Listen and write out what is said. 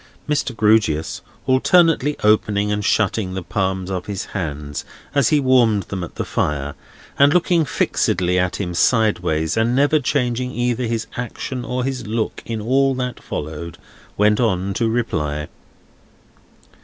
Mr. Grewgious, alternately opening and shutting the palms of his hands as he warmed them at the fire, and looking fixedly at him sideways, and never changing either his action or his look in all that followed, went on to reply.